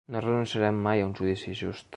No renunciarem mai a un judici just.